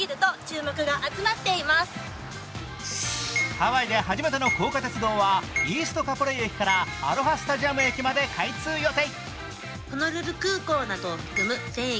ハワイで初めての高架鉄道はイースト・カポレイ駅からアロハスタジアム駅まで開通予定。